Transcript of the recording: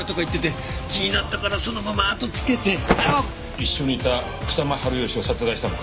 一緒にいた草間治義を殺害したのか？